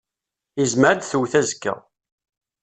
Yezmer ad twet azekka.